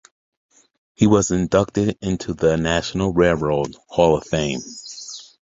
He was inducted into the National Railroad Hall of Fame.